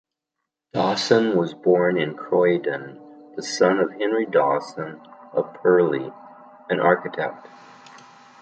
Dawson was born in Croydon, the son of Henry Dawson, of Purley, an architect.